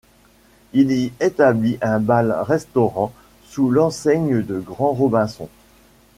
Il y établit un bal-restaurant sous l'enseigne de Grand Robinson.